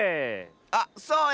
あっそうや！